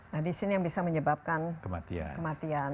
nah disini yang bisa menyebabkan kematian